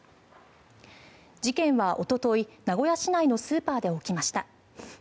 事件はおととい名古屋市内のスーパーで起きました。